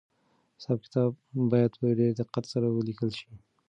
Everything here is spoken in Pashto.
حساب کتاب باید په ډېر دقت سره ولیکل شي.